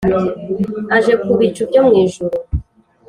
aje ku bicu byo mu ijuru.